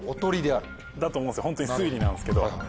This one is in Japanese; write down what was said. ホントに推理なんですけど。